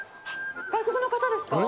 外国の方ですか？